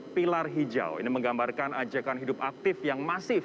pilar hijau ini menggambarkan ajakan hidup aktif yang masif